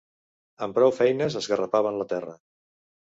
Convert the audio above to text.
Amb prou feines esgarrapaven la terra